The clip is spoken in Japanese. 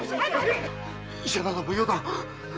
医者など無用だ。